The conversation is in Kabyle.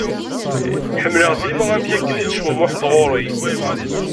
Ḥemmleɣ dima amek akken i d-tettecmumuḥeḍ ɣur-i.